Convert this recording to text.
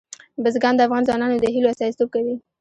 بزګان د افغان ځوانانو د هیلو استازیتوب کوي.